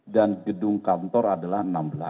dan gedung kantor adalah enam belas